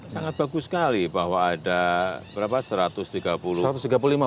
sangat bagus sekali bahwa ada berapa